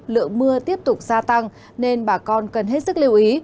lượng mưa tiếp tục gia tăng nên bà con cần hết sức lưu ý